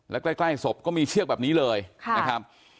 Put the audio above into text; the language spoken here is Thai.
และใกล้ศพก็มีเชือกแบบนี้เลยนะครับ